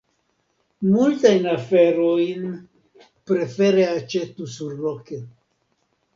Multajn aferojn prefere aĉetu surloke.